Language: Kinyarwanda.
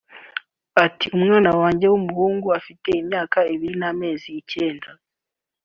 Ati “ Umwana wanjye w’umuhungu ufite imyaka ibiri n’amezi icyenda